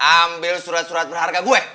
ambil surat surat berharga gue